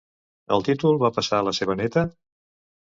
El títol va passar a la seva neta?